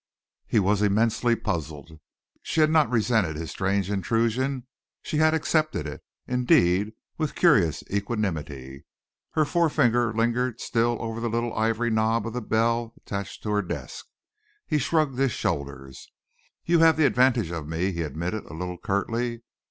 He was immensely puzzled. She had not resented his strange intrusion. She had accepted it, indeed, with curious equanimity. Her forefinger lingered still over the little ivory knob of the bell attached to her desk. He shrugged his shoulders. "You have the advantage of me," he admitted, a little curtly.